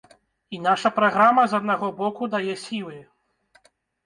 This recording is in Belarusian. І наша праграма, з аднаго боку, дае сілы.